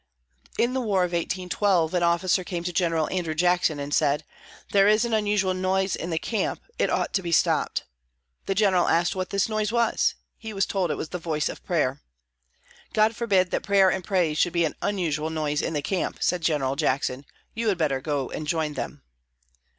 In the war of 1812 an officer came to General Andrew Jackson and said, "There is an unusual noise in the camp; it ought to be stopped." The General asked what this noise was. He was told it was the voice of prayer. "God forbid that prayer and praise should be an unusual noise in the camp," said General Jackson. "You had better go and join them."